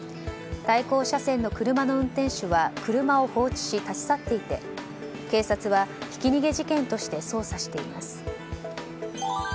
対向車線の車の運転手は車を放置し立ち去っていて警察はひき逃げ事件として捜査しています。